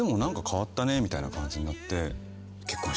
みたいな感じになって。